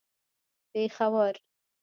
پېښور